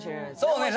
そうね